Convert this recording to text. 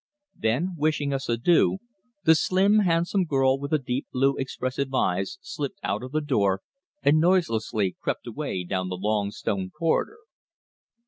Then, wishing us adieu, the slim handsome girl with the deep blue expressive eyes slipped out of the door, and noiselessly crept away down the long stone corridor.